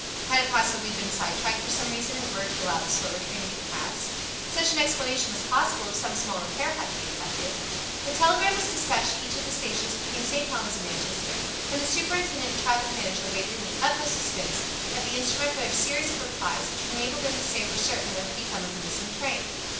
Had it possibly been sidetracked for some reason in order to allow the slower train to go past? Such an explanation was possible if some small repair had to be effected. A telegram was dispatched to each of the stations between St. Helens and Manchester, and the superintendent and traffic manager waited in the utmost suspense at the instrument for the series of replies which would enable them to say for certain what had become of the missing train.